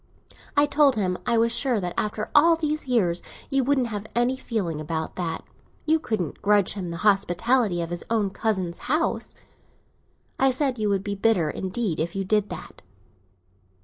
I told him I was sure that after all these years you couldn't have any feeling about that; you couldn't grudge him the hospitality of his own cousin's house. I said you would be bitter indeed if you did that.